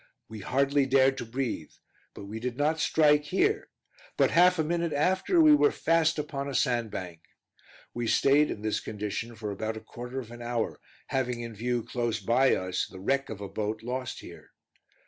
We hardly dared to breathe, but we did not strike here, but half a minute after we were fast upon a sand bank. We stayed in this condition for about a quarter of an hour, having in view close by us the wreck of a boat lost here.